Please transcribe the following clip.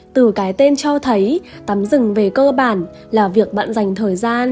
từ cái tên cho thấy tắm rừng về cơ bản là việc bạn dành thời gian